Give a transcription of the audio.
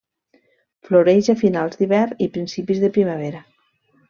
Floreix a finals d'hivern i principis de primavera.